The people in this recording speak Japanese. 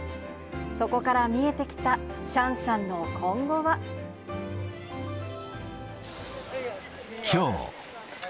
そこから見えてきたシャンシャンきょう。